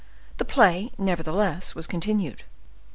The play, nevertheless, was continued.